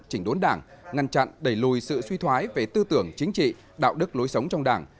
chỉnh đốn đảng ngăn chặn đẩy lùi sự suy thoái về tư tưởng chính trị đạo đức lối sống trong đảng